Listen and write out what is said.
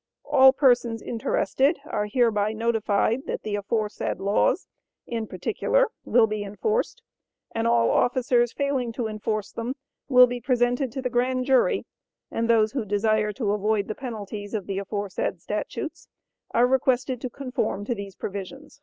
All persons interested, are hereby notified that the aforesaid laws, in particular, will be enforced, and all officers failing to enforce them will be presented to the Grand Jury, and those who desire to avoid the penalties of the aforesaid statutes are requested to conform to these provisions."